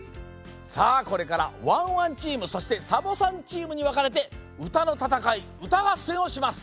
さあこれからワンワンチームそしてサボさんチームにわかれてうたのたたかいうたがっせんをします。